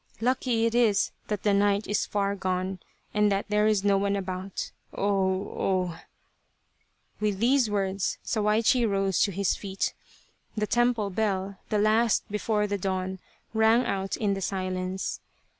Lucky it is that the night is far gone, and that there is no one about ... oh, oh !" With these words Sawaichi rose to his feet. The temple bell, the last before the dawn, rang out in the silence.